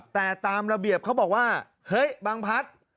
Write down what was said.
แต่ตามระเบียบเขาบอกว่าเฮ้ยบางพัก